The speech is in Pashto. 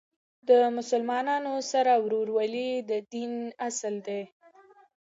د مسلمانانو سره ورورولۍ د دین اصل دی.